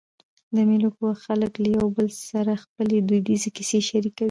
د مېلو پر وخت خلک له یو بل سره خپلي دودیزي کیسې شریکوي.